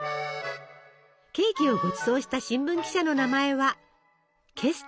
ケーキをごちそうした新聞記者の名前はケストナーさん。